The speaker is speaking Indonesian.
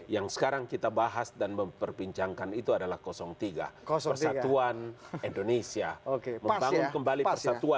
yang sekarang kita bahas dan memperbincangkan itu adalah tiga puluh satuan indonesia oke baru kembali pasok